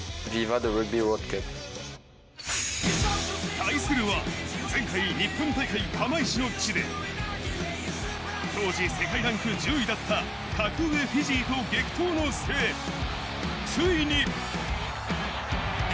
対するは前回、日本大会・釜石の地で、当時世界ランク１０位だった格上フィジーと激闘の末、ついに。